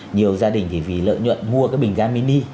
nhiều gia đình thì vì lợi nhuận mua cái bình ga mini